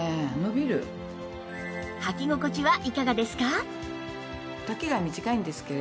はき心地はいかがですか？